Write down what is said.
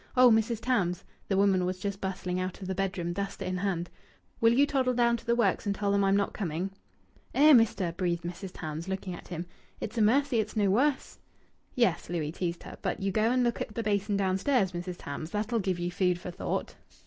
Oh! Mrs. Tams" the woman was just bustling out of the bedroom, duster in hand "will you toddle down to the works and tell them I'm not coming?" "Eh, mester!" breathed Mrs. Tams, looking at him. "It's a mercy it's no worse." "Yes," Louis teased her, "but you go and look at the basin downstairs, Mrs. Tams. That'll give you food for thought."